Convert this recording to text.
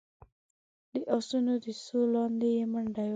د اسونو د سوو لاندې يې ميده يو